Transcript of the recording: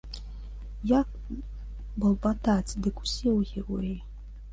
Як балбатаць, дык усе героі.